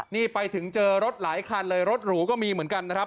นี่ไปถึงเจอรถหลายคันเลยรถหรูก็มีเหมือนกันนะครับ